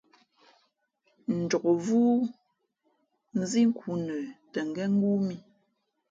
Njokvʉ́ nzí nkhǔ nə tα ngén ngóó mǐ.